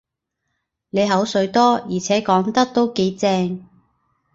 你口水多，而且講得都幾正